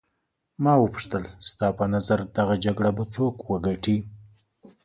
ما وپوښتل ستا په نظر دغه جګړه به څوک وګټي.